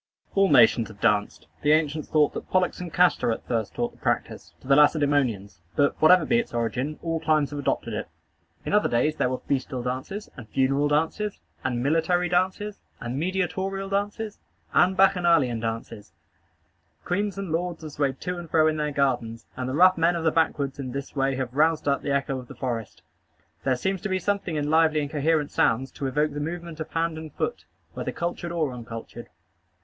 All nations have danced. The ancients thought that Pollux and Castor at first taught the practice to the Lacedæmonians; but, whatever be its origin, all climes have adopted it. In other days there were festal dances, and funeral dances, and military dances, and "mediatorial" dances, and bacchanalian dances. Queens and lords have swayed to and fro in their gardens; and the rough men of the backwoods in this way have roused up the echo of the forest. There seems to be something in lively and coherent sounds to evoke the movement of hand and foot, whether cultured or uncultured.